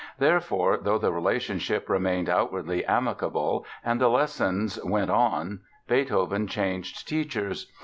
Therefore, though the relationship remained outwardly amicable and the lessons went on, Beethoven changed teachers.